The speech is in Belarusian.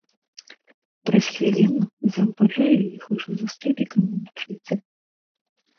Праз хвіліну заўважаю іх ужо за столікам у буфеце.